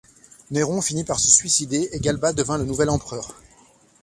Néron fini par se suicider et Galba devint le nouvel empereur.